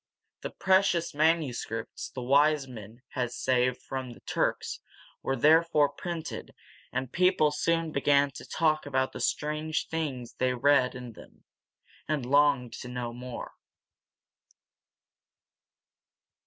The precious manuscripts the wise men had saved from the Turks were therefore printed, and people soon began to talk about the strange things they read in them, and longed to know more.